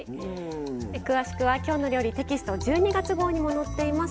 詳しくは「きょうの料理」テキスト１２月号にも載っています。